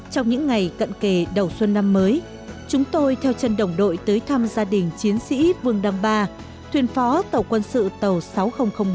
trong những ngày cận kề đầu xuân năm mới chúng tôi theo chân đồng đội tới thăm gia đình chiến sĩ vương đăng ba thuyền phó tàu quân sự tàu sáu một